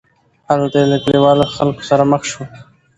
هلته یې له کلیوالو خلکو سره مخ شو.